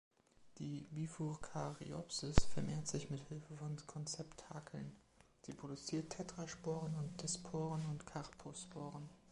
Die „Bifurcariopsis“ vermehrt sich mit Hilfe von Konzeptakeln; sie produziert Tetrasporen und Disporen und Carposporen.